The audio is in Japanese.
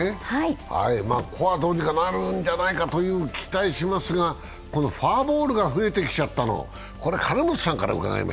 ここはどうにかなるんじゃないかと期待しますがこのフォアボールが増えてきちゃったの。